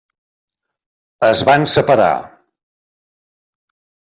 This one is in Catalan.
Es van separar.